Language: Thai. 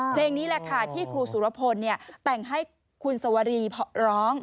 เพลงนี้แหละค่ะที่ครูสุรพลแต่งให้คุณสวรีร้อง